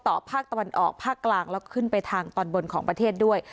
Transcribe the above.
ภาคตะวันออกภาคกลางแล้วขึ้นไปทางตอนบนของประเทศด้วย